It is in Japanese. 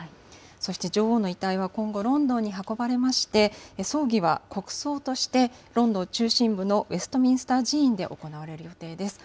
そして女王の遺体は今後、ロンドンに運ばれまして、葬儀は国葬として、ロンドン中心部のウエストミンスター寺院で行われる予定です。